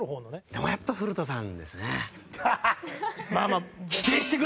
でもやっぱり古田さんですね。